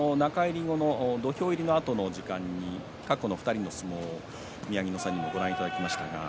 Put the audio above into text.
土俵入りのあとの時間に過去の２人の相撲を宮城野さんにもご覧いただきました。